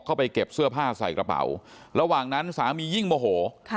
ไปเก็บเสื้อผ้าใส่กระเป๋าระหว่างนั้นสามียิ่งโมโห